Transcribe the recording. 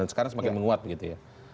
dan sekarang semakin menguat begitu ya